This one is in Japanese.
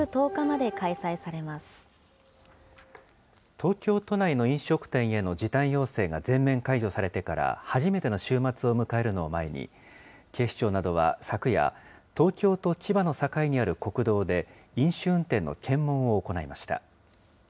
東京都内の飲食店への時短要請が全面解除されてから初めての週末を迎えるのを前に、警視庁などは昨夜、東京と千葉の境にある国道で、飲酒運転の検問を行いました。